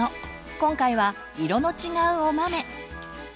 今回は色の違うお豆。